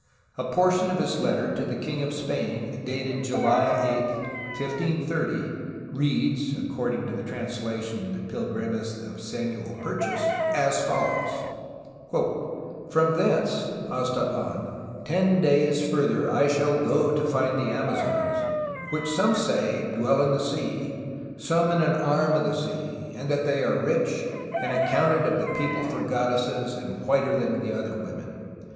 A portion of his letter to the king of Spain, dated July 8, 1530, reads (according to the translation in the Pilgrimes of Samuel Purchas), as follows: "From thence [Aztatlan] ten dayes further I shall goe to find the Amazons, which some say dwell in the Sea, some in an arme of the Sea, and that they are rich, and accounted of the people for God desses, and whiter than other women.